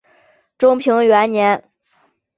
中平元年。